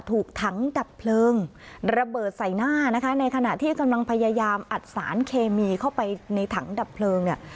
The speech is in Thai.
ถูกถังดับเพลิงระเบิดใส่หน้านะคะในขณะที่กำลังพยายามอัดสารเคมีเข้าไปในถังดับเพลิงเนี่ย